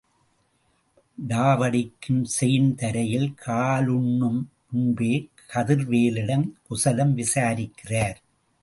டாவடிக்கும் chain தரையில் காலூன்னும் முன்பே கதிர்வேலிடம் குசலம் விசாரிக்கிறார்.